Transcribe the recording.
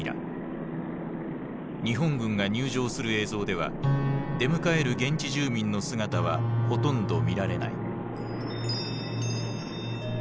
日本軍が入城する映像では出迎える現地住民の姿はほとんど見られない。